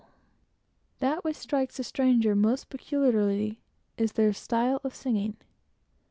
That which strikes a stranger most peculiarly is their style of singing.